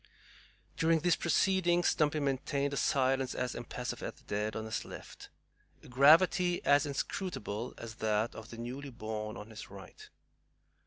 During these proceedings Stumpy maintained a silence as impassive as the dead on his left, a gravity as inscrutable as that of the newly born on his right.